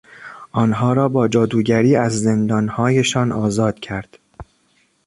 آنها را با جادوگری از زندانهایشان آزاد کرد.